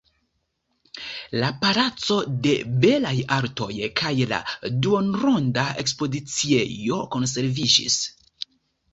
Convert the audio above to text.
La "palaco de belaj artoj" kaj la duonronda ekspoziciejo konserviĝis.